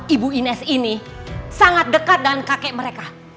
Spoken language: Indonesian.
ibu ines ini sangat dekat dengan kakek mereka